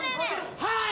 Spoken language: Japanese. はい！